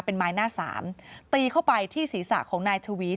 เป็นไม้หน้าสามตีเข้าไปที่ศีรษะของนายชวี